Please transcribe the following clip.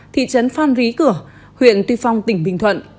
thị trấn phan rí cửa huyện tuy phong tỉnh bình thuận